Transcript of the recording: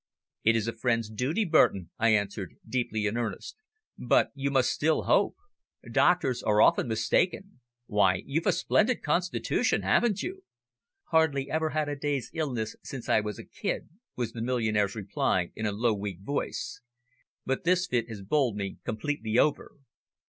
"It is a friend's duty, Burton," I answered, deeply in earnest. "But you must still hope. Doctors are often mistaken. Why, you've a splendid constitution, haven't you?" "Hardly ever had a day's illness since I was a kid," was the millionaire's reply in a low, weak voice; "but this fit has bowled me completely over."